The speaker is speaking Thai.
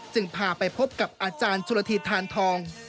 จึงพาไปพบกับอาจารย์จุฬทีธานทอง